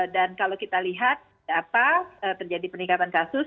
dan kalau kita lihat apa terjadi peningkatan kasus